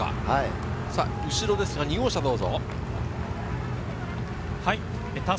後ろですが、２号車どうぞ。